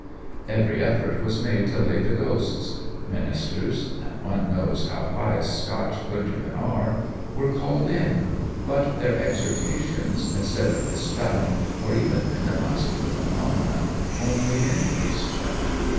Every effort was made to lay the ghosts. Ministers and one knows how pious Scotch clergymen are were called in, but their exhortations, instead of dispelling or even minimizing the phenomena, only increased them.